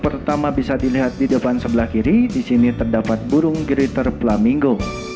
pertama bisa dilihat di depan sebelah kiri disini terdapat burung gretter flamingo